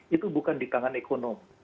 itu bukan di tangan ekonomi